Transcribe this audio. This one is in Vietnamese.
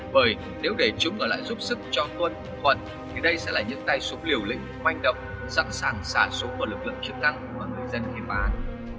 bởi nếu để chúng ở lại giúp sức cho quân quận thì đây sẽ là những tay súng liều lĩnh manh động sẵn sàng xả số vật lực lượng chức năng của người dân hiệp án